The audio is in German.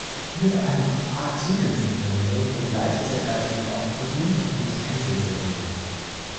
Mit einer Artikelserie begleitete er die auch von ihm moderierte Fernsehserie.